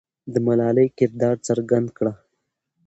د ملالۍ کردار څرګند کړه.